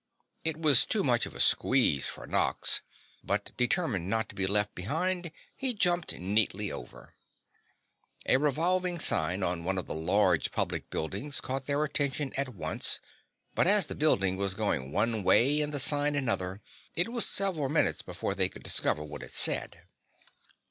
It was too much of a squeeze for Nox, but determined not to be left behind, he jumped neatly over. A revolving sign on one of the large public buildings caught their attention at once, but as the building was going one way and the sign another, it was several minutes before they could discover what it said.